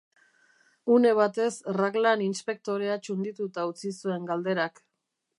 Une batez Raglan inspektorea txundituta utzi zuen galderak.